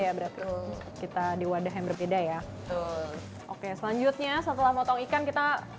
ya berarti kita di wadah yang berbeda ya betul oke selanjutnya setelah motong ikan kita